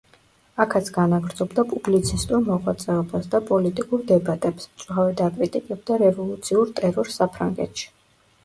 აქაც განაგრძობდა პუბლიცისტურ მოღვაწეობას და პოლიტიკურ დებატებს, მწვავედ აკრიტიკებდა რევოლუციურ ტერორს საფრანგეთში.